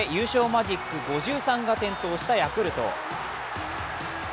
マジック５３が点灯したヤクルト。